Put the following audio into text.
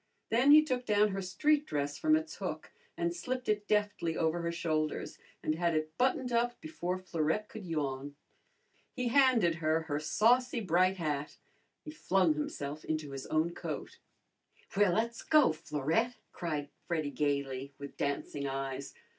Then he took down her street dress from its hook and slipped it deftly over her shoulders and had it buttoned up before Florette could yawn. He handed her her saucy bright hat. He flung himself into his own coat. "Well, le's go, Florette!" cried Freddy gayly, with dancing eyes.